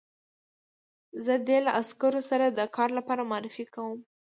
زه دې له عسکرو سره د کار لپاره معرفي کوم